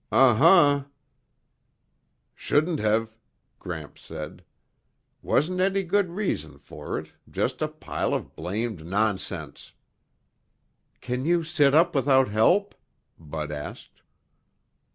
"Uh huh." "Shouldn't have," Gramps said. "Wasn't any good reason for it. Just a pile of blamed nonsense." "Can you sit up without help?" Bud asked.